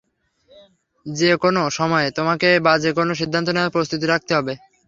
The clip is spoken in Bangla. যে কোনও সময়ে তোমাকে বাজে কোনও সিদ্ধান্ত নেয়ার প্রস্তুতি রাখতে হবে।